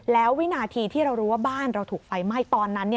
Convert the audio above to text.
แล้ววินาทีที่เรารู้ว่าบ้านเราถูกไฟไหม้ตอนนั้น